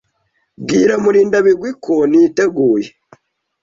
Bwira Murindabigwi ko niteguye.